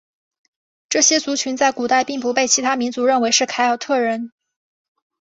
这些族群在古代并不被其他民族认为是凯尔特人。